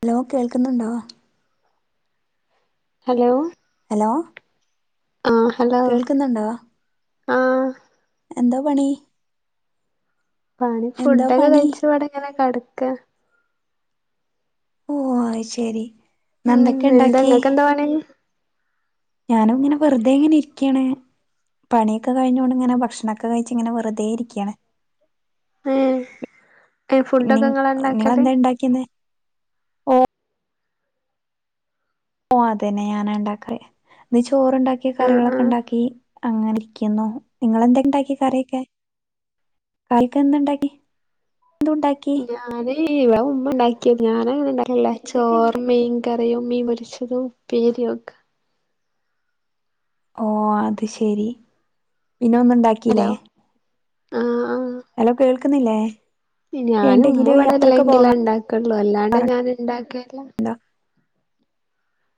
Hello കേൾക്കുന്നോണ്ടോ? Hello hello ആഹ് hello കേൾക്കുന്നോണ്ടോ? ആഹ് എന്താ പണി? പണി എന്താ ഫുഡെക്കെ പണി കഴിച്ചപ്പാടെയിങ്ങനെക്കെട [unintelligible] ഓ അയ് ശെരി ഉം എന്താങ്ങക്ക് എന്താ പണി? ഞാനും ഇങ്ങനെ വെറുതെയിങ്ങനെ ഇരിക്കണ്. പണിയെക്കെ കഴിഞ്ഞോണ്ട് ഇങ്ങനെ ഭക്ഷണൊക്കെ കഴിച്ചിങ്ങനെ വെറുതെയിരിക്കാണ്. ഉം നി നിങ്ങളെന്താ ഉണ്ടാക്കിന്നെ ഓ ഓ അതന്നെ ഞാനാ ഒണ്ടാക്കയേ [unintelligible] ചോറുണ്ടാക്കി ആഹ് ആഹ് കറികളൊക്കെയൊണ്ടാക്കി അങ്ങനെ ക്കിന്നോ. നിങ്ങെളെന്താണ്ടാക്കിയേ കറിക്കെ? കാൽക്കെന്തുണ്ടാക്കി? എന്തു ണ്ടാക്കി? ഇ ഇവ ഉമ്മ ഒണ്ടാക്കിയത് ഞാൻ അങ്ങനെ ഉണ്ടാക്കലില്ല ചോറും മീൻ കറിയും മീൻ പൊരിച്ചതും ഉപ്പേരിയൊക്കെ. ഓ അത് ശെരി പിന്നെ ഒന്നും ണ്ടാക്കില്ലേ? ഹലോ ഹലോ കേൾ ക്ക്ന്നില്ലേ? ഞാനുമ്മവിവടെല്ലെങ്കിലൊണ്ടാക്കൊ ള്ളൂ അല്ലാണ്ട് ഞാൻ ഇണ്ടാക്കൽ എന്താ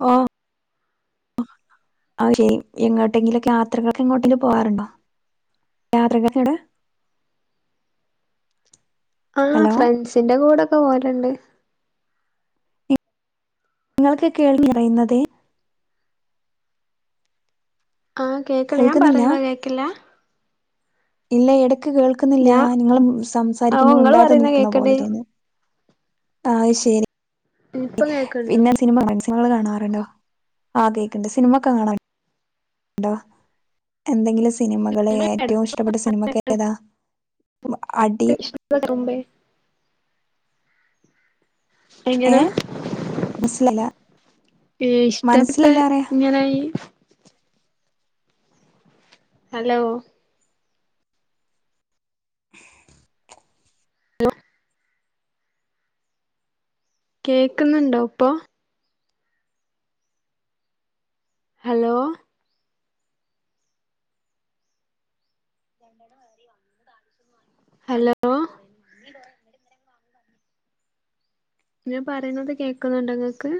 ഓ അത് ശെരി എങ്ങോട്ടെങ്കിലൊക്കെ യാത്രകൾക്ക് എങ്ങോട്ടും പോവാറുണ്ടോ യാത്രകൾക്കെവടെ ആ ഫ്രണ്ട്സിന്റെ കൂടെക്കെ പോവലുണ്ട് നിങ്ങള്ക്ക് കേൾ നിറയുന്നതേ ആഹ് കേക്കണ് ഞാൻ കേൾക്കുന്നില്ല? പറയുന്ന കേക്കില്ല ഇല്ല എടക്ക കേൾക്കുന്നില്ല ഞാ നിങ്ങള് ഓഹ് സംസാരിക്കുമ്പോ ഇങ്ങള് മിണ്ടാതെ പറയുന്ന നിക്കുന്ന കേക്ക്ണ്ട് പോലെ തോന്നുന്നു ആ ഇപ്പൊ കേൾക്കണ്ടോ പിന്നെ സിനിമ സിനിമകൾ കാണാറുണ്ടോ ആ കേക്കണ്ട് സിനിമ ഒക്കെ കാണാറുണ്ടോ ഉണ്ടോ എന്തെങ്കിലും സിനിമകള് എടക്ക് ഏറ്റവും ഇഷ്ടപ്പെട്ട സിനിമക്ക ഏതാ അടി ഇഷ്ടപ്പെട്ട കുറുമ്പേ എങ്ങന ഏഹ്? മനസ്സിലായില്ല. ഏ ഇഷ്ടപ്പെട്ട മനസ്സിലായില്ല പറയാ. ഇങ്ങനെയി ഹലോ ഹലോ കേക്കുന്നുണ്ടോ ഇപ്പൊ ഹലോ രണ്ടെണം വരെ വന്ന ഹലോ ഞാ പറയുന്നത് കേൾക്കുന്നുണ്ടങ്ങക്ക്